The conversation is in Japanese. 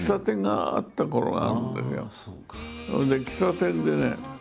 それで喫茶店でね